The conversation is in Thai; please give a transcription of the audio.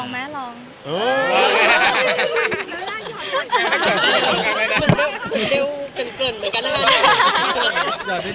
มันเร็วเกินเหมือนกันนะคะ